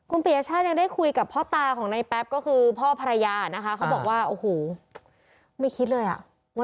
ว่าลูกเกิดอะไรนะ